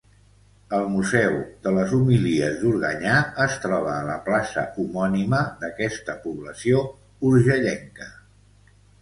El museu de les Homilies d'Organyà es troba a la plaça homònima d'aquesta població urgellenca.